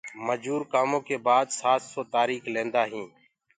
مجور ڪآموُ ڪي بآد سآت سو تآريڪ لينٚدآ هينٚ